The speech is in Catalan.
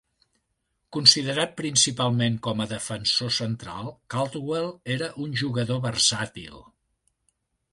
Considerat principalment com a defensor central, Caldwell era un jugador versàtil.